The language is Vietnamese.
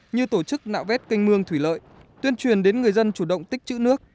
như tổ chức nạo vét canh mương thủy lợi tuyên truyền đến người dân chủ động tích chữ nước